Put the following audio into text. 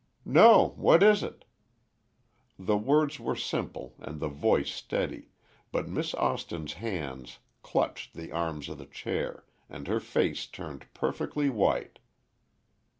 "No; what is it?" The words were simple, and the voice steady, but Miss Austin's hands clutched the arms of the chair, and her face turned perfectly white.